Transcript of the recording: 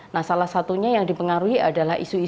nah salah satunya yang dipengaruhi adalah isu isu